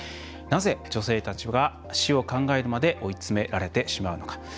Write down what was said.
なぜ女性たちは死を考えるまで追い詰められてしまうのか。